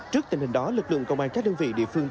trước tình hình đó lực lượng công an các đơn vị địa phương